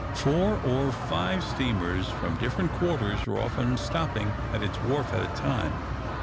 Four or five steamers from different quarters are often stopping at its wharf at a time.